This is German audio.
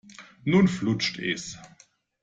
Nun flutscht es.